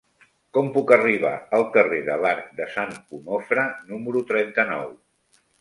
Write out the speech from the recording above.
Com puc arribar al carrer de l'Arc de Sant Onofre número trenta-nou?